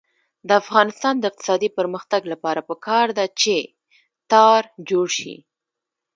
د افغانستان د اقتصادي پرمختګ لپاره پکار ده چې تار جوړ شي.